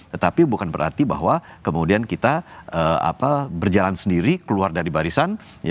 tetapi bukan berarti bahwa kemudian kita berjalan sendiri keluar dari barisan